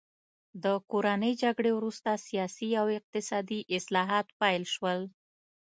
د کورنۍ جګړې وروسته سیاسي او اقتصادي اصلاحات پیل شول.